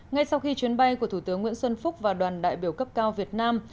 ngay sau khi chuyến bay của thủ tướng nguyễn xuân phúc và đoàn đại biểu cấp cao việt nam